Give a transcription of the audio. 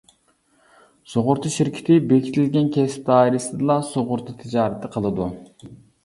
سۇغۇرتا شىركىتى بېكىتىلگەن كەسىپ دائىرىسىدىلا سۇغۇرتا تىجارىتى قىلىدۇ.